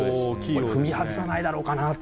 これ、踏み外さないだろうかなって。